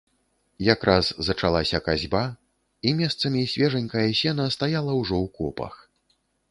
Якраз зачалася касьба, і месцамі свежанькае сена стаяла ўжо ў копах.